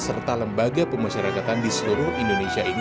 serta lembaga pemasyarakatan di seluruh indonesia ini